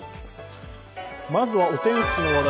まずはお天気の話題。